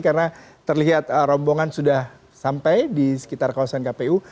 karena terlihat rombongan sudah sampai di sekitar kawasan kpu